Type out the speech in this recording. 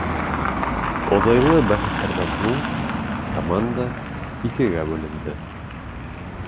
Оҙайлы бәхәстәрҙән һуң команда икегә бүленде.